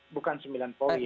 bukan sembilan poin